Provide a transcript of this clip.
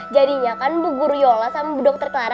jadinya kan bu gur yola sama bu dokter kelara